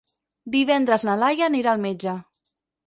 Divendres na Laia anirà al metge.